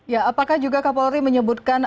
ya apakah juga kapolri menyebutkan